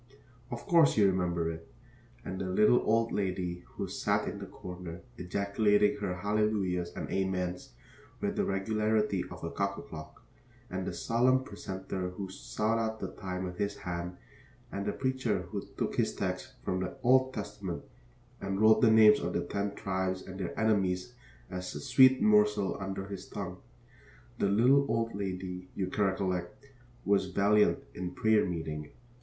Of course you remember it, and the little old lady who sat in a corner ejaculating her hallelujahs and amens with the regularity of a cuckoo clock, and the solemn precentor who sawed out the time with his hand, and the preacher who took his texts from the Old Testament and rolled the names of the Ten Tribes and their enemies as a sweet morsel under his tongue. The little old lady, you recollect, was valiant in prayer meeting.